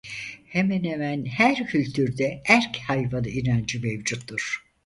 Hemen hemen her kültürde erk hayvanı inancı mevcuttur.